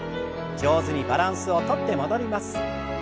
上手にバランスをとって戻ります。